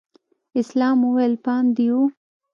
اسلام وويل پام دې و.